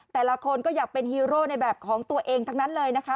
แต่ละคนก็อยากเป็นฮีโร่ในแบบของตัวเองทั้งนั้นเลยนะคะ